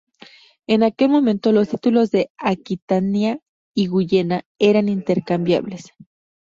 En aquel momento, los títulos de Aquitania y Guyena eran intercambiables.